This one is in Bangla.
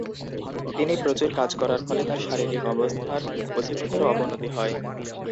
তিনি প্রচুর কাজ করার ফলে তার শারীরিক অবস্থার অধিকতর অবনতি হয়।